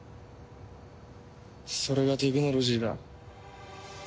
それがテクノロジーだ。